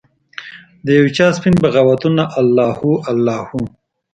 د یوچا سپین بغاوته الله هو، الله هو